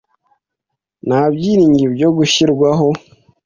Nta byiringiro byo gushyirwaho.